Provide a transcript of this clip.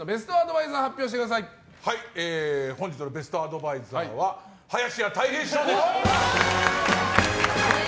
バイザーを本日のベストアドバイザーは林家たい平師匠です。